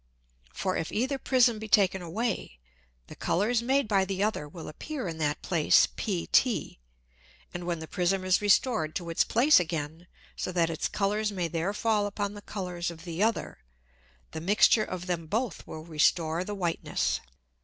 For if either Prism be taken away, the Colours made by the other will appear in that Place PT, and when the Prism is restored to its Place again, so that its Colours may there fall upon the Colours of the other, the Mixture of them both will restore the Whiteness.